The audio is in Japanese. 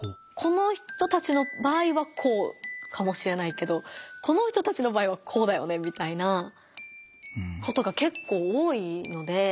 この人たちの場合はこうかもしれないけどこの人たちの場合はこうだよねみたいなことが結構多いので。